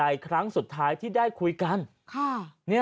ว่าเป็นความห่วงใหญ่ครั้งสุดท้ายที่